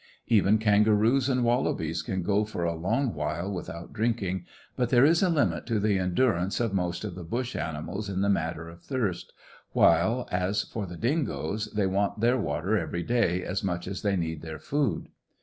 Even kangaroos and wallabies can go for a long while without drinking, but there is a limit to the endurance of most of the bush animals in the matter of thirst, while, as for the dingoes, they want their water every day as much as they need their food.